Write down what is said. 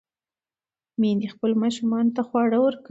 میندې خپلو ماشومانو ته خواړه ورکوي.